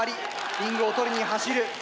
リングを取りに走る。